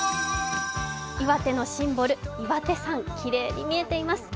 岩手のシンボル、岩手山、きれいに見えています。